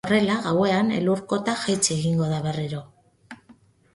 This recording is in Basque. Horrela, gauean, elur-kota jaitsi egingo da berriro.